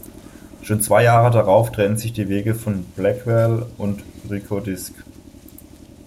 Schon zwei Jahre darauf trennten sich die Wege von Blackwell und "Rykodisc".